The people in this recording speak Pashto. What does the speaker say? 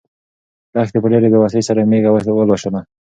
لښتې په ډېرې بې وسۍ سره مېږه ولوشله.